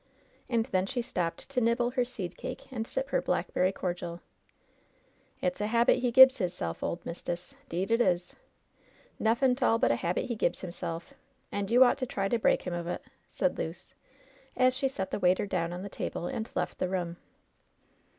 And then she stopped to nibble her seed cake and sip her blackberry cordial, ^^It's a habit he gibs hisself, ole mist'ess. 'Deed it is. NuflSn' 't all but a habit he gibs hisself, and you ought to try to break him of it," said Luce, as she set the waiter down on the table and left the room.